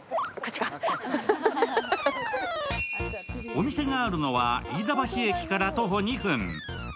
お店があるのは飯田橋駅から徒歩２分。